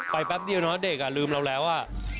ไปแป๊บเดียวนะเด็กลืมเราแล้วอ่ะ